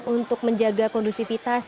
untuk menjaga kondusifitas